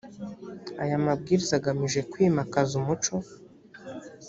aya mabwiriza agamije kwimakaza umuco